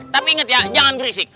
tapi inget ya jangan ke gresik